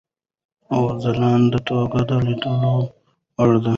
او ځلانده توګه د لیدلو وړ دی.